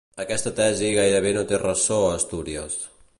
Aquesta tesi gairebé no té ressò a Astúries.